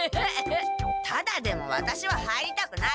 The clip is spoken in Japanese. タダでもワタシは入りたくない。